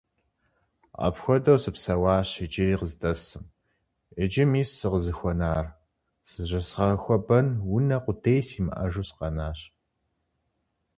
Апхуэдэу сыпсэуащ иджыри къыздэсым, иджы мис сыкъызыхуэнар - зыщызгъэхуэбэн унэ къудей симыӀэжу сыкъэнащ.